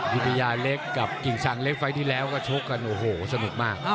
วิทยาเล็กกับกิ่งชังเล็กไฟล์ที่แล้วก็ชกกันโอ้โหสนุกมาก